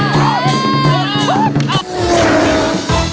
มันร้อนเมื่อก่อน